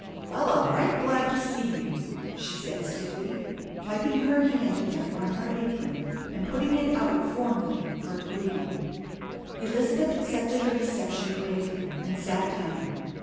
"Well, I'm right glad to see you," she said stiffly, wiping her hand again on her apron and putting it out formally for a greeting. Elizabeth accepted her reception gravely, and sat down.